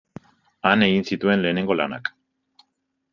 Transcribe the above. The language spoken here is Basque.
Han egin zituen lehenengo lanak.